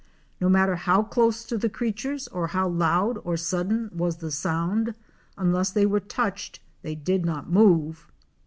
No matter how close to the creatures or how loud or sudden was the sound, unless they were touched they did not move.